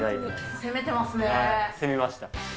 攻めました。